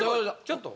ちょっと。